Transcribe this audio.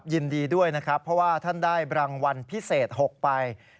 ยินดีด้วยนะครับเพราะว่าท่านได้รางวัลพิเศษ๖ไป